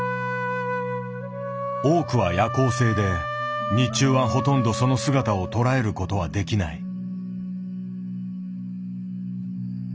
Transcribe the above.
多くは夜行性で日中はほとんどその姿を捉えることはできない。